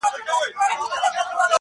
خدایه مینه د قلم ورکي په زړو کي,